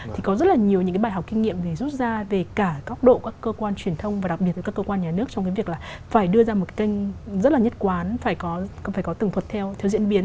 thì có rất là nhiều những cái bài học kinh nghiệm để rút ra về cả góc độ các cơ quan truyền thông và đặc biệt là các cơ quan nhà nước trong cái việc là phải đưa ra một kênh rất là nhất quán phải có tường thuật theo diễn biến